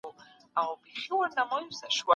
د ښځو او ماشومانو خیال وساتئ.